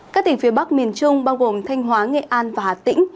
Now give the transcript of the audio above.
các tỉnh phía bắc miền trung bao gồm thanh hóa nghệ an và hà tĩnh